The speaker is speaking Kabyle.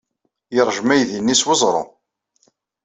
Yeṛjem aydi-nni s weẓru.